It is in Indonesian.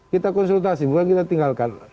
kita konsultasi bukan kita tinggalkan